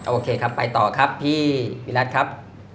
โอเคครับไปต่อครับพี่วิรัติครับ